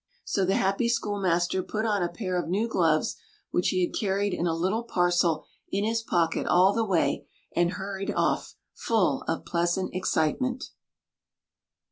So the happy schoolmaster put on a pair of new gloves which he had carried in a little parcel in his pocket all the way, and hurried off, full of pleasant excitement.